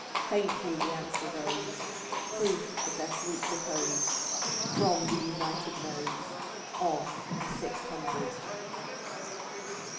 Faintly the answer rose, <Proof of their sweet repose). From the United Nose Of the Six Hundred!